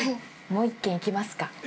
もう一軒行きますか。